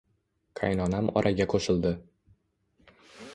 Qaynonam oraga qoʻshildi